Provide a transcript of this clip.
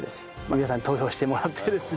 皆さんに投票してもらってですね。